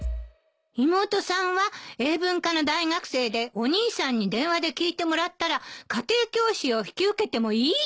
妹さんは英文科の大学生でお兄さんに電話で聞いてもらったら家庭教師を引き受けてもいいって。